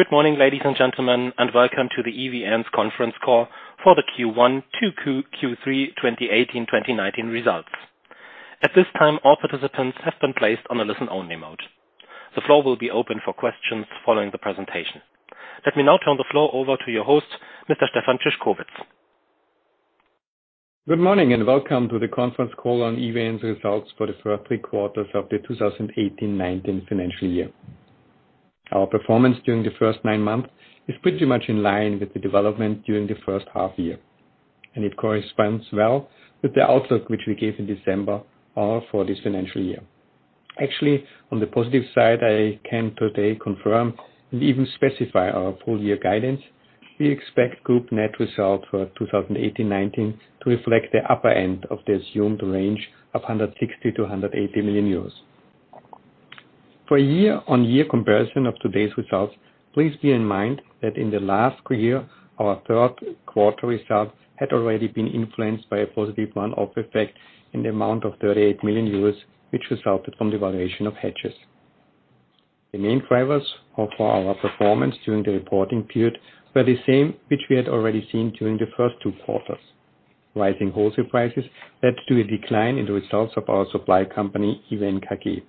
Good morning, ladies and gentlemen, and welcome to the EVN's conference call for the Q1 to Q3 2018/2019 results. At this time, all participants have been placed on a listen-only mode. The floor will be open for questions following the presentation. Let me now turn the floor over to your host, Mr. Stefan Szyszkowitz. Good morning, welcome to the conference call on EVN's results for the first three quarters of the 2018/19 financial year. Our performance during the first nine months is pretty much in line with the development during the first half year, it corresponds well with the outlook which we gave in December, all for this financial year. Actually, on the positive side, I can today confirm and even specify our full-year guidance. We expect group net results for 2018/19 to reflect the upper end of the assumed range of 160 million-180 million euros. For a year-on-year comparison of today's results, please bear in mind that in the last quarter, our third quarter results had already been influenced by a positive one-off effect in the amount of 38 million euros, which resulted from the valuation of hedges. The main drivers for our performance during the reporting period were the same which we had already seen during the first two quarters. Rising wholesale prices led to a decline in the results of our supply company, EVN KG.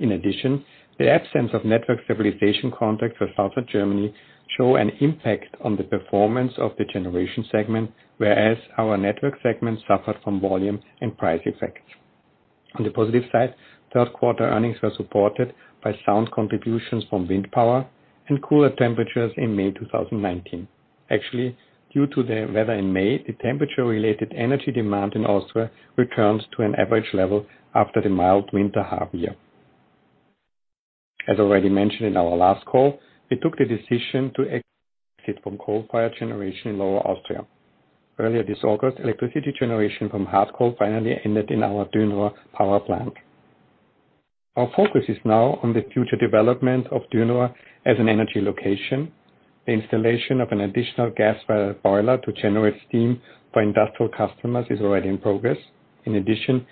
In addition, the absence of network stabilization contracts for Southern Germany show an impact on the performance of the generation segment, whereas our network segment suffered from volume and price effects. On the positive side, third-quarter earnings were supported by sound contributions from wind power and cooler temperatures in May 2019. Actually, due to the weather in May, the temperature-related energy demand in Austria returns to an average level after the mild winter half year. As already mentioned in our last call, we took the decision to exit from coal-fired generation in Lower Austria. Earlier this August, electricity generation from hard coal finally ended in our Dürnrohr power plant. Our focus is now on the future development of Dürnrohr as an energy location. The installation of an additional gas boiler to generate steam for industrial customers is already in progress. In addition,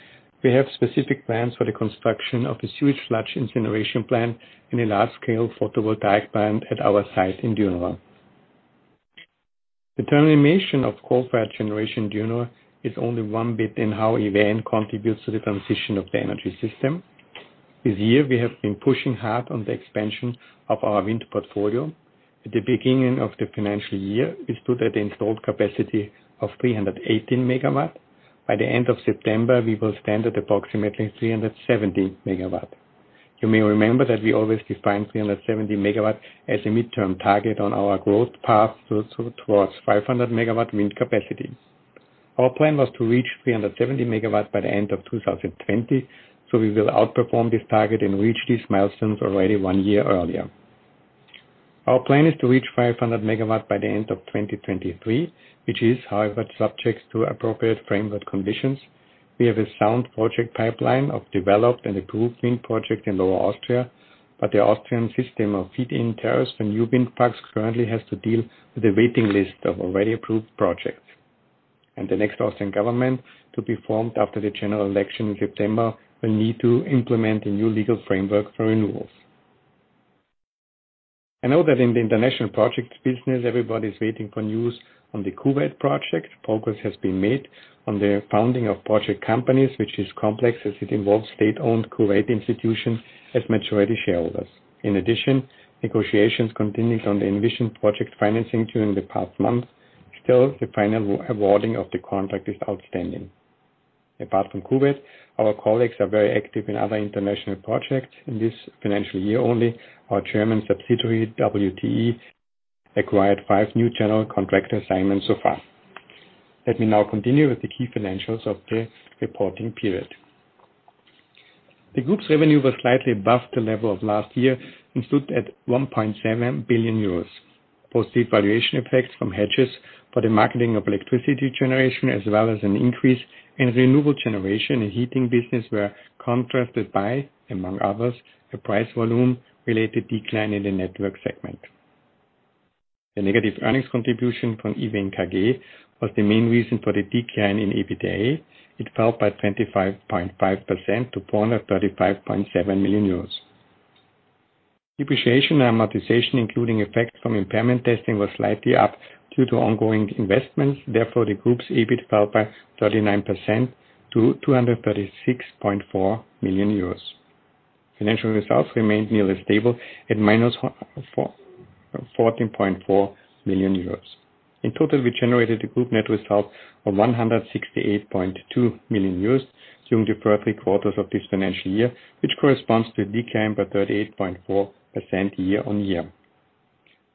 we have specific plans for the construction of a sewage sludge incineration plant and a large-scale photovoltaic plant at our site in Dürnrohr. The termination of coal-fired generation in Dürnrohr is only one bit in how EVN contributes to the transition of the energy system. This year, we have been pushing hard on the expansion of our wind portfolio. At the beginning of the financial year, we stood at installed capacity of 318 megawatts. By the end of September, we will stand at approximately 370 megawatts. You may remember that we always defined 370 megawatts as a midterm target on our growth path towards 500-megawatt wind capacity. Our plan was to reach 370 megawatts by the end of 2020, so we will outperform this target and reach these milestones already one year earlier. Our plan is to reach 500 megawatts by the end of 2023, which is, however, subject to appropriate framework conditions. We have a sound project pipeline of developed and approved wind projects in Lower Austria, but the Austrian system of feed-in tariffs for new wind parks currently has to deal with a waiting list of already approved projects. The next Austrian government, to be formed after the general election in September, will need to implement a new legal framework for renewals. I know that in the international projects business, everybody's waiting for news on the Kuwait project. Progress has been made on the founding of project companies, which is complex as it involves state-owned Kuwait institutions as majority shareholders. In addition, negotiations continued on the envisioned project financing during the past month. The final awarding of the contract is outstanding. Apart from Kuwait, our colleagues are very active in other international projects. In this financial year only, our German subsidiary, WTE, acquired five new general contract assignments so far. Let me now continue with the key financials of the reporting period. The group's revenue was slightly above the level of last year and stood at 1.7 billion euros. Positive valuation effects from hedges for the marketing of electricity generation, as well as an increase in renewable generation and heating business were contrasted by, among others, a price-volume related decline in the network segment. The negative earnings contribution from EVN KG was the main reason for the decline in EBITDA. It fell by 25.5% to 435.7 million euros. Depreciation and amortization, including effects from impairment testing, was slightly up due to ongoing investments. The group's EBIT fell by 39% to 236.4 million euros. Financial results remained nearly stable at minus 14.4 million euros. We generated a group net result of 168.2 million euros during the first three quarters of this financial year, which corresponds to a decline by 38.4% year-on-year.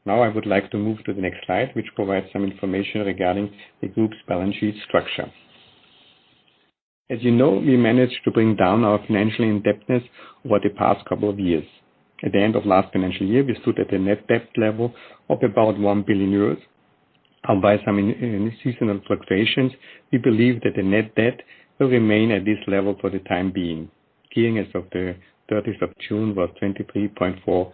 I would like to move to the next slide, which provides some information regarding the group's balance sheet structure. As you know, we managed to bring down our financial indebtedness over the past couple of years. At the end of last financial year, we stood at a net debt level of about 1 billion euros. By some seasonal fluctuations, we believe that the net debt will remain at this level for the time being. Gearing as of the 30th of June was 23.4%.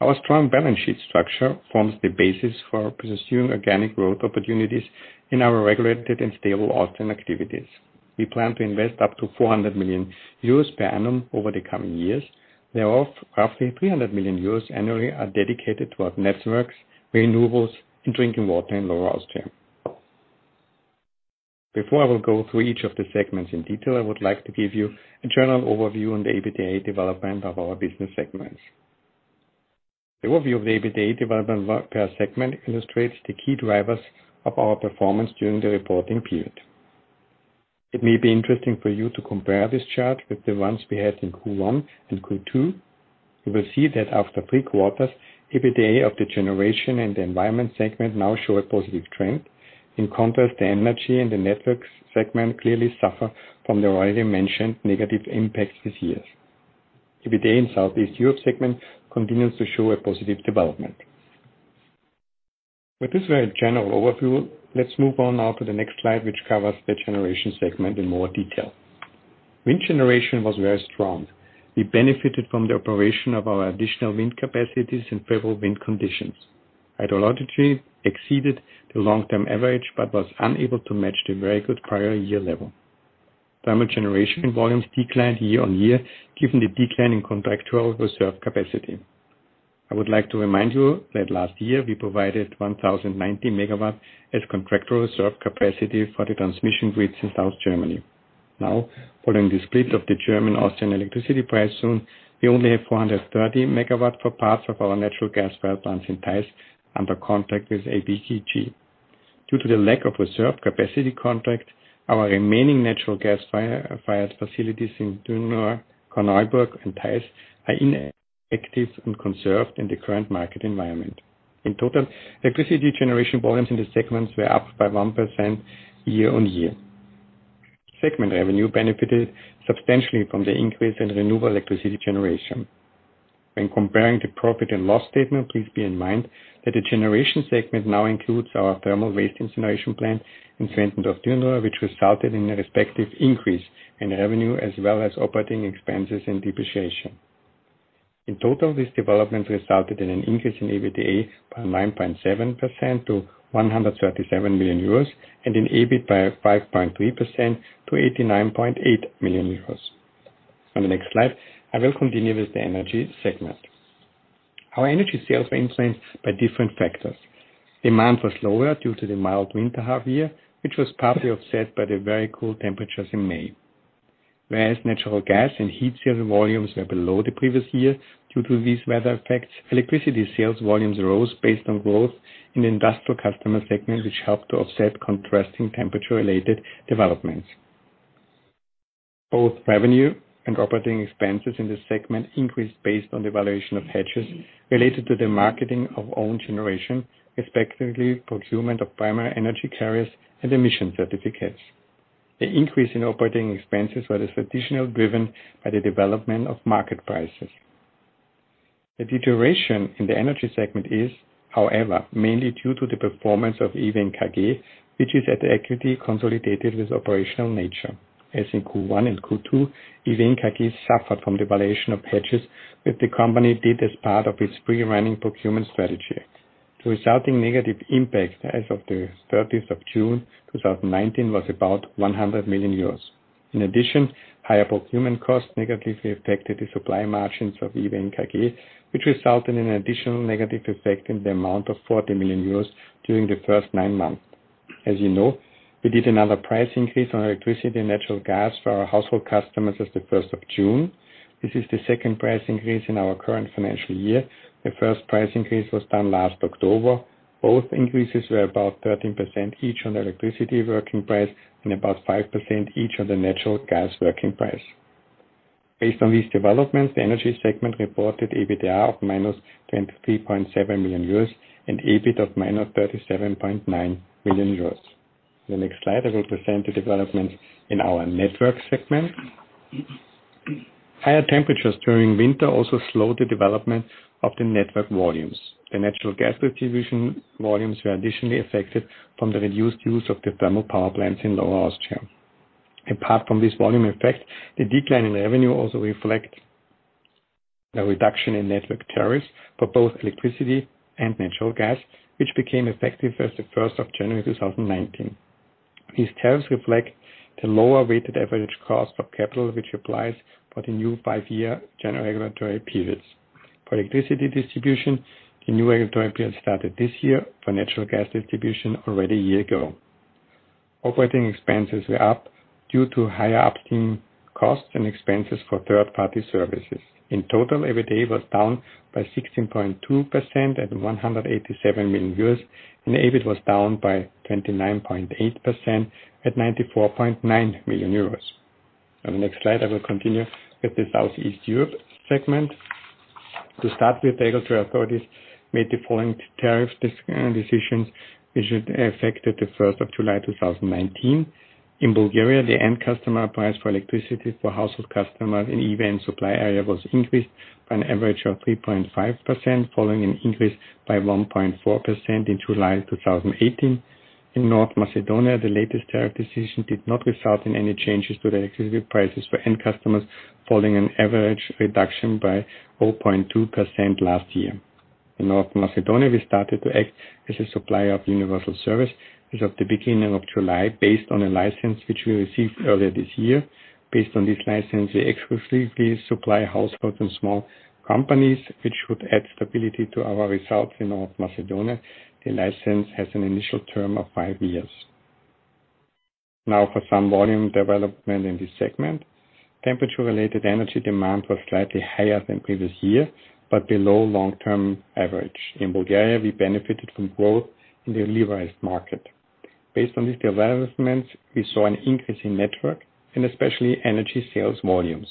Our strong balance sheet structure forms the basis for pursuing organic growth opportunities in our regulated and stable Austrian activities. We plan to invest up to 400 million euros per annum over the coming years. Thereof, roughly 300 million euros annually are dedicated towards networks, renewables, and drinking water in Lower Austria. Before I will go through each of the segments in detail, I would like to give you a general overview on the EBITDA development of our business segments. The overview of the EBITDA development work per segment illustrates the key drivers of our performance during the reporting period. It may be interesting for you to compare this chart with the ones we had in Q1 and Q2. You will see that after three quarters, EBITDA of the generation and the environment segment now show a positive trend. The energy and the networks segment clearly suffer from the already mentioned negative impacts this year. EBITDA in Southeast Europe segment continues to show a positive development. With this very general overview, let's move on now to the next slide, which covers the generation segment in more detail. Wind generation was very strong. We benefited from the operation of our additional wind capacities and favorable wind conditions. Hydrology exceeded the long-term average but was unable to match the very good prior year level. Thermal generation volumes declined year-on-year, given the decline in contractual reserve capacity. I would like to remind you that last year, we provided 1,090 MW as contractual reserve capacity for the transmission grids in South Germany. Now, following the split of the German Austrian electricity price zone, we only have 430 megawatts for parts of our natural gas power plants in Theiß under contract with APG. Due to the lack of reserve capacity contract, our remaining natural gas-fired facilities in Dürnrohr, Korneuburg, and Theiß are inactive and conserved in the current market environment. In total, electricity generation volumes in the segments were up by 1% year-over-year. Segment revenue benefited substantially from the increase in renewable electricity generation. When comparing the profit and loss statement, please bear in mind that the generation segment now includes our thermal waste incineration plant in Zwentendorf, Dürnrohr, which resulted in a respective increase in revenue as well as operating expenses and depreciation. In total, this development resulted in an increase in EBITDA by 9.7% to 137 million euros and in EBIT by 5.3% to 89.8 million euros. On the next slide, I will continue with the energy segment. Our energy sales were influenced by different factors. Demand was lower due to the mild winter half year, which was partly offset by the very cool temperatures in May. Whereas natural gas and heat sales volumes were below the previous year due to these weather effects, electricity sales volumes rose based on growth in the industrial customer segment, which helped to offset contrasting temperature-related developments. Both revenue and operating expenses in this segment increased based on the valuation of hedges related to the marketing of own generation, respectively, procurement of primary energy carriers and emission certificates. The increase in operating expenses was additionally driven by the development of market prices. The deterioration in the energy segment is, however, mainly due to the performance of EVN KG, which is at the equity consolidated with operational nature. As in Q1 and Q2, EVN KG suffered from the valuation of hedges that the company did as part of its pre-running procurement strategy. The resulting negative impact as of the 30th of June 2019 was about 100 million euros. In addition, higher procurement costs negatively affected the supply margins of EVN KG, which resulted in an additional negative effect in the amount of 40 million euros during the first nine months. As you know, we did another price increase on electricity and natural gas for our household customers as of the 1st of June. This is the second price increase in our current financial year. The first price increase was done last October. Both increases were about 13% each on the electricity working price and about 5% each on the natural gas working price. Based on these developments, the energy segment reported EBITDA of minus 23.7 million euros and EBIT of minus 37.9 million euros. The next slide, I will present the developments in our network segment. Higher temperatures during winter also slowed the development of the network volumes. The natural gas distribution volumes were additionally affected from the reduced use of the thermal power plants in Lower Austria. Apart from this volume effect, the decline in revenue also reflect the reduction in network tariffs for both electricity and natural gas, which became effective as of 1st of January 2019. These tariffs reflect the lower weighted average cost of capital which applies for the new five-year general regulatory periods. For electricity distribution, the new regulatory period started this year, for natural gas distribution, already a year ago. Operating expenses were up due to higher operating costs and expenses for third-party services. In total, EBITDA was down by 16.2% at 187 million euros, and EBIT was down by 29.8% at 94.9 million euros. On the next slide, I will continue with the Southeast Europe segment. To start with, the regulatory authorities made the following tariff decision, which affected the 1st of July 2019. In Bulgaria, the end customer price for electricity for household customers in EVN supply area was increased by an average of 3.5%, following an increase by 1.4% in July of 2018. In North Macedonia, the latest tariff decision did not result in any changes to the electricity prices for end customers following an average reduction by 0.2% last year. In North Macedonia, we started to act as a supplier of universal service as of the beginning of July, based on a license which we received earlier this year. Based on this license, we exclusively supply households and small companies, which should add stability to our results in North Macedonia. The license has an initial term of five years. Now for some volume development in this segment. Temperature-related energy demand was slightly higher than previous year, but below long-term average. In Bulgaria, we benefited from growth in the liberalized market. Based on these developments, we saw an increase in network and especially energy sales volumes.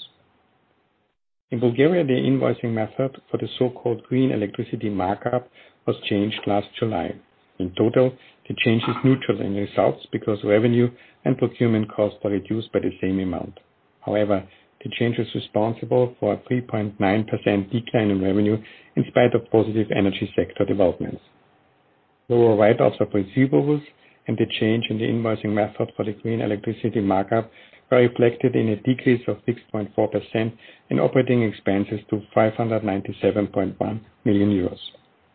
In Bulgaria, the invoicing method for the so-called green electricity markup was changed last July. In total, the change is neutral in results because revenue and procurement costs are reduced by the same amount. However, the change is responsible for a 3.9% decline in revenue in spite of positive energy sector developments. Lower write-offs of receivables and the change in the invoicing method for the green electricity markup are reflected in a decrease of 6.4% in operating expenses to 597.1 million euros.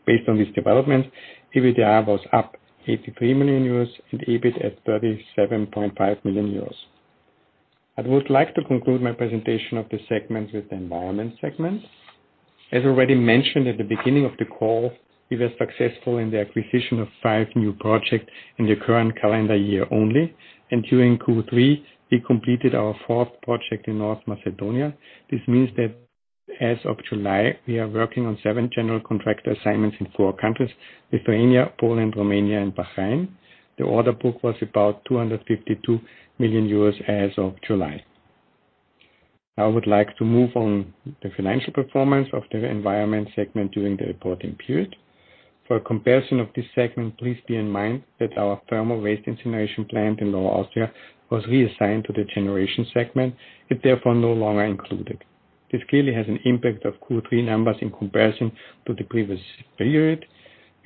Based on these developments, EBITDA was up 83 million euros and EBIT at 37.5 million euros. I would like to conclude my presentation of the segment with the environment segment. As already mentioned at the beginning of the call, we were successful in the acquisition of five new projects in the current calendar year only. During Q3, we completed our fourth project in North Macedonia. This means that as of July, we are working on seven general contractor assignments in four countries, Lithuania, Poland, Romania, and Bahrain. The order book was about 252 million euros as of July. Now I would like to move on the financial performance of the environment segment during the reporting period. For a comparison of this segment, please bear in mind that our thermal waste incineration plant in Lower Austria was reassigned to the generation segment, and therefore no longer included. This clearly has an impact of Q3 numbers in comparison to the previous period.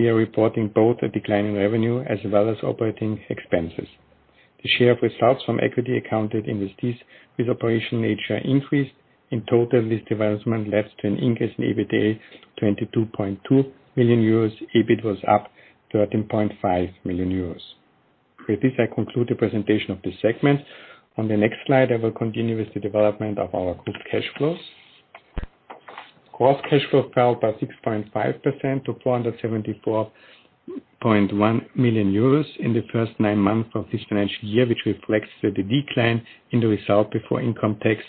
We are reporting both a decline in revenue as well as operating expenses. The share of results from equity accounted investments with operational nature increased. In total, this development led to an increase in EBITDA to 22.2 million euros. EBIT was up 13.5 million euros. With this, I conclude the presentation of this segment. On the next slide, I will continue with the development of our group cash flows. Gross cash flow fell by 6.5% to 474.1 million euros in the first nine months of this financial year, which reflects the decline in the result before income tax,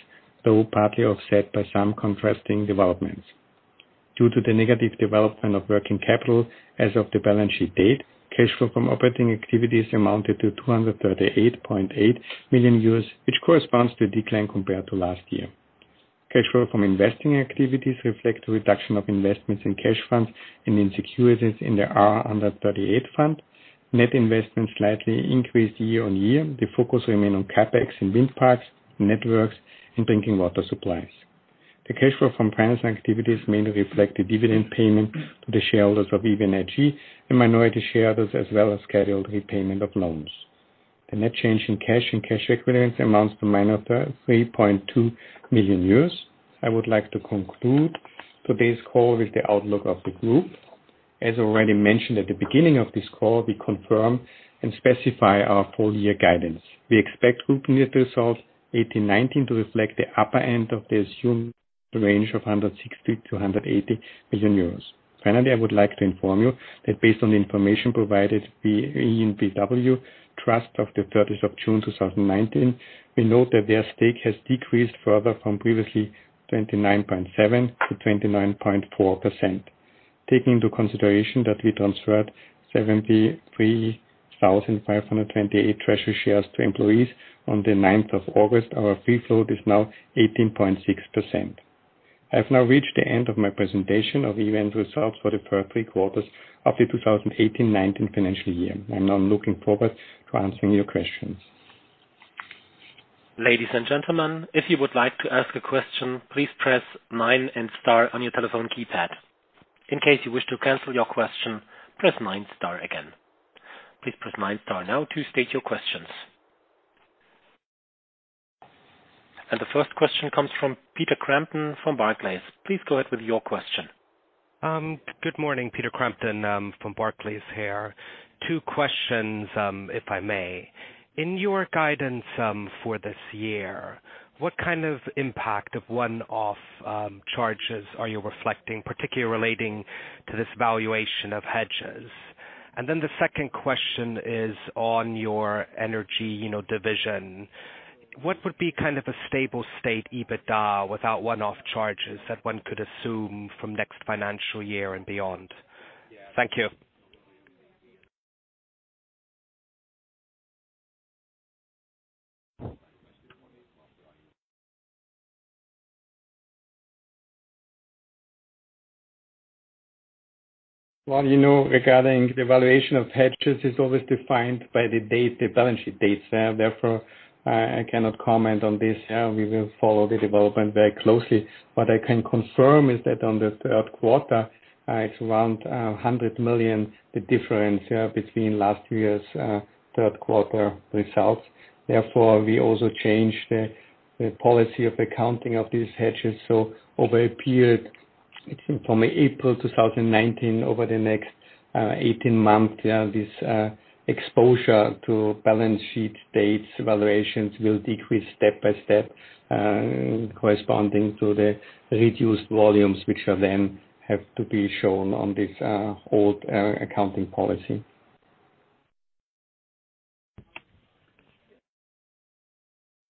though partly offset by some contrasting developments. Due to the negative development of working capital as of the balance sheet date, cash flow from operating activities amounted to 238.8 million euros, which corresponds to a decline compared to last year. Cash flow from investing activities reflect a reduction of investments in cash funds and in securities in the R138 fund. Net investments slightly increased year-over-year. The focus remain on CapEx and wind parks, networks, and drinking water supplies. The cash flow from financing activities mainly reflect the dividend payment to the shareholders of EVN AG and minority shareholders, as well as scheduled repayment of loans. The net change in cash and cash equivalents amounts to minus 3.2 million euros. I would like to conclude today's call with the outlook of the group. As already mentioned at the beginning of this call, we confirm and specify our full year guidance. We expect group net results 2018, 2019 to reflect the upper end of the assumed range of 160 million-180 million euros. Finally, I would like to inform you that based on the information provided by EnBW Trust of the 30th of June 2019, we note that their stake has decreased further from previously 29.7%-29.4%. Taking into consideration that we transferred 73,528 treasury shares to employees on the 9th of August, our free float is now 18.6%. I have now reached the end of my presentation of EVN results for the first three quarters of the 2018-2019 financial year. I'm now looking forward to answering your questions. Ladies and gentlemen, if you would like to ask a question, please press nine and star on your telephone keypad. In case you wish to cancel your question, press nine, star again. Please press nine, star now to state your questions. The first question comes from Peter Crampton from Barclays. Please go ahead with your question. Good morning, Peter Crampton from Barclays here. Two questions, if I may. In your guidance for this year, what kind of impact of one-off charges are you reflecting, particularly relating to this valuation of hedges? The second question is on your energy division. What would be a stable state EBITDA without one-off charges that one could assume from next financial year and beyond? Thank you. Well, regarding the valuation of hedges, it's always defined by the balance sheet dates. I cannot comment on this. We will follow the development very closely. What I can confirm is that on the third quarter, it's around 100 million, the difference between last year's third quarter results. We also changed the policy of accounting of these hedges. Over a period from April 2019 over the next 18 months, this exposure to balance sheet dates, evaluations will decrease step by step, corresponding to the reduced volumes, which then have to be shown on this old accounting policy.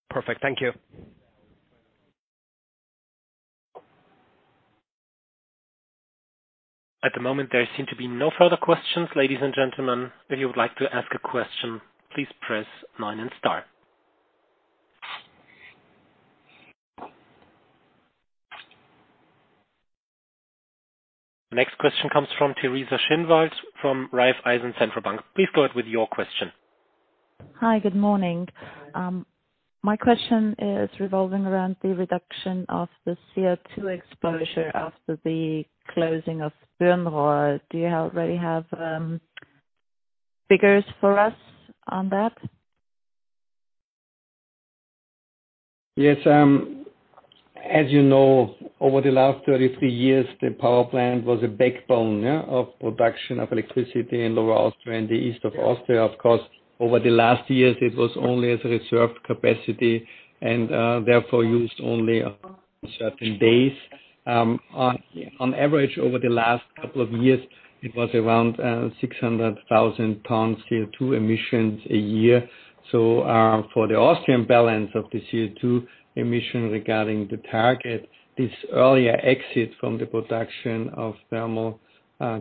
Perfect. Thank you. At the moment, there seem to be no further questions, ladies and gentlemen. If you would like to ask a question, please press nine and star. Next question comes from Teresa Schinwald from Raiffeisen Centrobank. Please go ahead with your question. Hi. Good morning. My question is revolving around the reduction of the CO2 exposure after the closing of Dürnrohr. Do you already have figures for us on that? Yes. As you know, over the last 33 years, the power plant was a backbone of production of electricity in Lower Austria and the east of Austria. Of course, over the last years, it was only as a reserved capacity and, therefore, used only on certain days. On average, over the last couple of years, it was around 600,000 tons CO2 emissions a year. For the Austrian balance of the CO2 emission regarding the target, this earlier exit from the production of thermal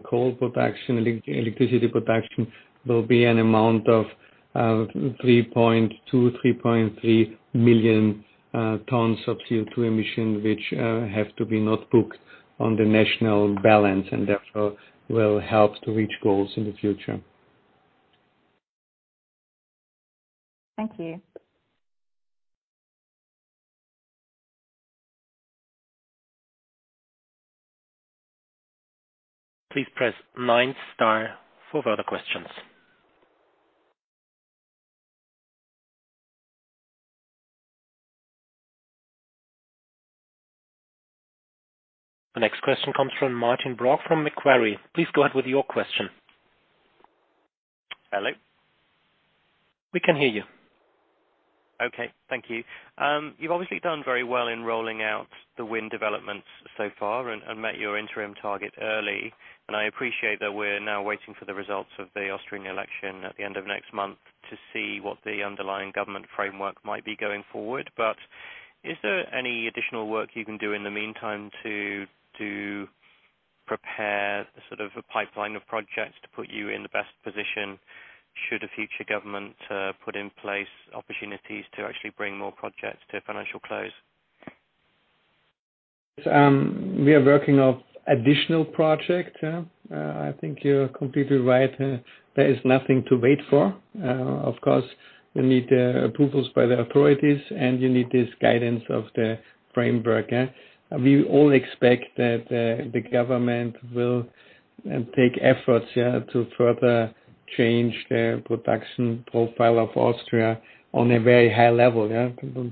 coal production, electricity production, will be an amount of 3.2, 3.3 million tons of CO2 emission, which have to be not booked on the national balance and therefore will help to reach goals in the future. Thank you. Please press nine, star for further questions. The next question comes from Martin Brock from Macquarie. Please go ahead with your question. Hello? We can hear you. Okay. Thank you. You've obviously done very well in rolling out the wind developments so far and met your interim target early, and I appreciate that we're now waiting for the results of the Austrian election at the end of next month to see what the underlying government framework might be going forward. Is there any additional work you can do in the meantime to prepare a pipeline of projects to put you in the best position should a future government put in place opportunities to actually bring more projects to financial close? We are working on additional projects. I think you're completely right. There is nothing to wait for. Of course, we need the approvals by the authorities, and you need this guidance of the framework. We all expect that the government will take efforts to further change the production profile of Austria on a very high level.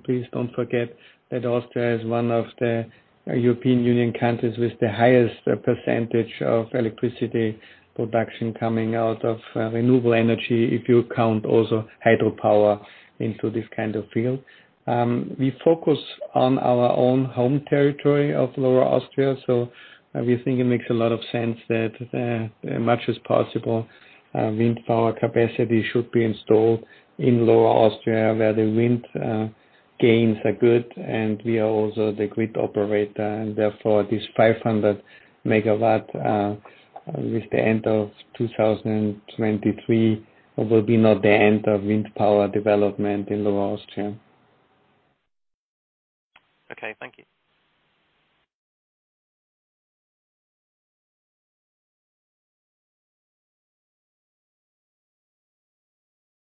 Please don't forget that Austria is one of the European Union countries with the highest percentage of electricity production coming out of renewable energy, if you count also hydropower into this kind of field. We focus on our own home territory of Lower Austria, so we think it makes a lot of sense that as much as possible, wind power capacity should be installed in Lower Austria, where the wind gains are good, and we are also the grid operator, and therefore, this 500 MW, with the end of 2023, will be not the end of wind power development in Lower Austria. Okay. Thank you.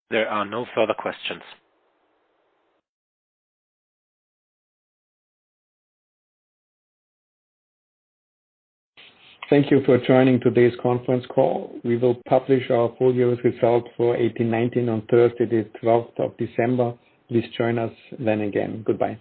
There are no further questions. Thank you for joining today's conference call. We will publish our full year results for 2018/2019 on Thursday, the 12th of December. Please join us then again. Goodbye.